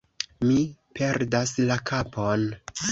Mi perdas la kapon!